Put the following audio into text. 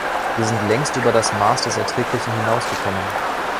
Wir sind längst über das Maß des Erträglichen hinausgekommen.